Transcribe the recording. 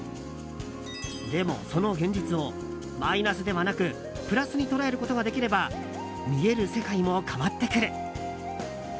でも、その現実をマイナスではなくプラスに捉えることができれば見える世界も変わってくる。